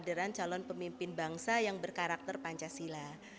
kederan calon pemimpin bangsa yang berkarakter pancasila